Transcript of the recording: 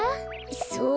そう？